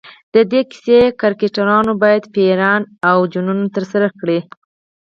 د دې کیسې کرکټرونه باید پیریان او جنونه ترسره کړي.